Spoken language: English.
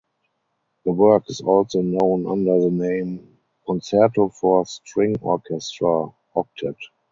The work is also known under the name "Concerto for String Orchestra (Octet)".